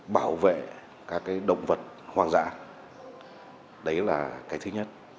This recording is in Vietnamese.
bảo vệ các động vật hoàng dã đấy là cái thứ nhất